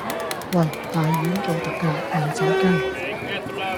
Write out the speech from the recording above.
喂！大丸做特價，咪走雞